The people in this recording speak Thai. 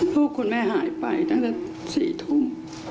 ลูกคุณแม่หายไปตั้งแต่๔ทุ่ม